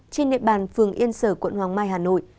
trên địa bàn phường yên sở quận hoàng mai hà nội